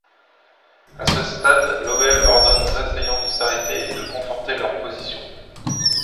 À ce stade, Lovell ordonne aux assaillants de s’arrêter et de conforter leur position.